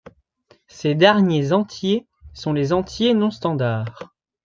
Ces derniers entiers sont les entiers non standard.